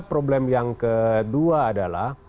problem yang kedua adalah